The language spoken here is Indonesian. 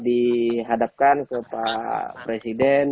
dihadapkan ke pak presiden